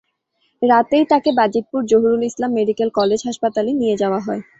রাতেই তাঁকে Bajitpur Zahurul Islam medical college হাসপাতালে নিয়ে যাওয়া হয়।